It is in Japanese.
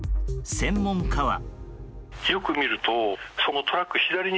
専門家は。